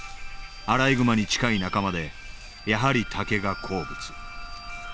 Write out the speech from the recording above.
アライグマに近い仲間でやはり竹が好物。